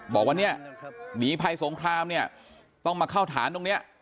บอกว่าเนี่ยหนีภัยสงครามเนี่ยต้องมาเข้าฐานตรงนี้